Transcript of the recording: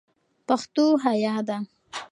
پښتو حیا ده